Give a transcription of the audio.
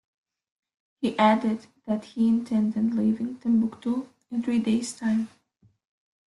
He added that he intended leaving Timbuktu in three days time.